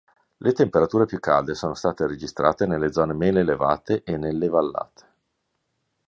Le temperature più calde sono state registrate nelle zone meno elevate e nelle vallate.